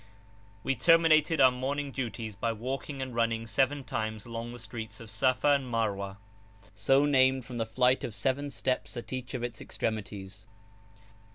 We terminated our morning duties by walking and running seven times along the streets of Safa and Marwa, so named from the flight of seven steps at each of its extremities.